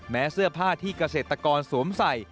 เสื้อผ้าที่เกษตรกรสวมใส่